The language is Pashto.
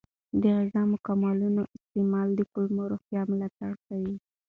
د غذایي ماکملونو استعمال د کولمو روغتیا ملاتړ کوي.